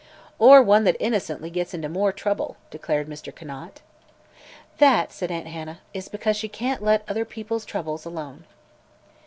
"Or one that innocently gets into more trouble," declared Mr. Conant. "That," said Aunt Hannah, "is because she can't let other people's troubles alone."